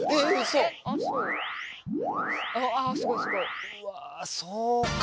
うわそうか。